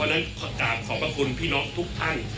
เพราะฉะนั้นขอขอบคุณพี่น้องทุกท่าน